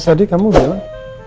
ya tadi kamu bilang